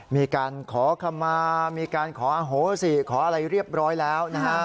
มีการขอคำมามีการขออโหสิขออะไรเรียบร้อยแล้วนะฮะ